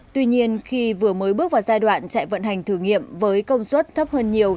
tuy nhiên khi vừa mới bước vào giai đoạn chạy vận hành thử nghiệm với công suất thấp hơn nhiều